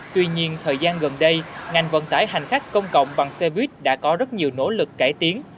tuy nhiên thời gian gần đây ngành vận tải hành khách công cộng bằng xe buýt đã có rất nhiều nỗ lực cải tiến